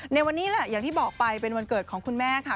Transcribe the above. ในวันนี้แหละอย่างที่บอกไปเป็นวันเกิดของคุณแม่ค่ะ